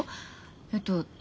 えっと